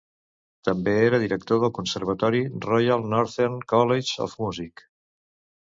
També era director del conservatori Royal Northern College of Music.